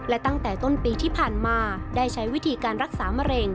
และตั้งแต่ต้นปีที่ผ่านมาได้ใช้วิธีการรักษามะเร็ง